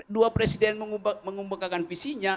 dua presiden mengumpulkan visinya